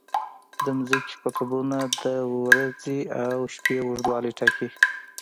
د ځمکې قطبونه د ورځ او شپه اوږدوالی ټاکي.